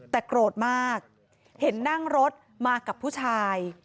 แต่โกรธมากเห็นนั่งรถมากับผู้ชาย